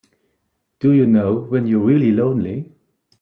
Do you know when you're really lonely?